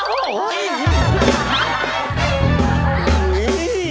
โอ้โห